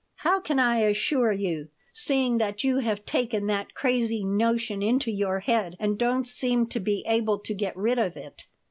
"How can I assure you, seeing that you have taken that crazy notion into your head and don't seem to be able to get rid of it?